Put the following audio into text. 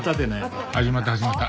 始まった始まった。